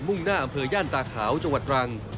่งหน้าอำเภอย่านตาขาวจังหวัดตรัง